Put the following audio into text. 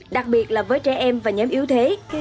đặc biệt là với trẻ em và nhóm yếu thế